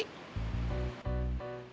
tapi baiknya kita lihat